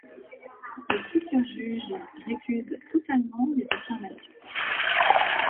Le futur juge récuse totalement les affirmations.